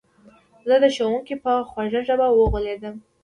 زه د ښوونکي په خوږه ژبه وغولېدم.